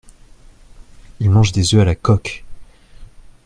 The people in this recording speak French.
Il mange des œufs à la coque !